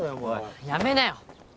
やめなよ！